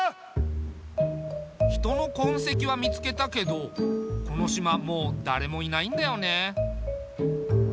人の痕跡は見つけたけどこの島もう誰もいないんだよね。